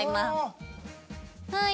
はい。